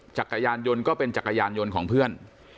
จักรยานยนต์ก็เป็นจักรยานยนต์ของเพื่อน